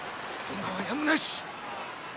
今はやむなし！